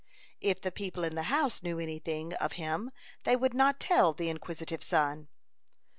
If the people in the house knew any thing of him, they would not tell the inquisitive son.